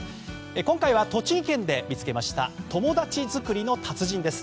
今回は栃木県で見つけました友達作りの達人です。